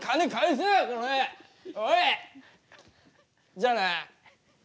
じゃあな。